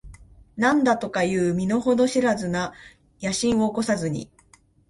何だとかいう身の程知らずな野心を起こさずに、